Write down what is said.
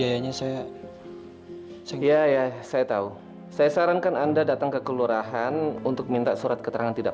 jangan jangan kalo udahlah kecebur slash rumour lagi kak